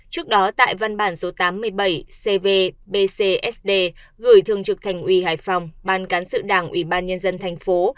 trước đó tại văn bản số tám mươi bảy cvbcsd gửi thương trực thành ủy hải phòng ban cán sự đảng ủy ban nhân dân thành phố